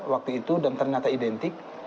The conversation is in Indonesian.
waktu itu dan ternyata identik